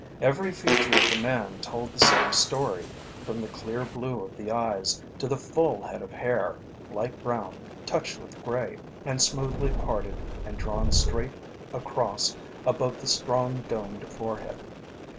Every feature of the man told the same story, from the clear blue of the eyes to the full head of hair, light brown, touched with grey, and smoothly parted and drawn straight across above the strong domed forehead.